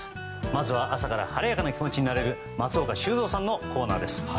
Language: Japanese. まずは朝から晴れやかな気持ちになれる松岡修造さんのコーナーです。